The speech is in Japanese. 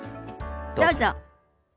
どうぞ。